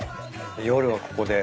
夜はここで。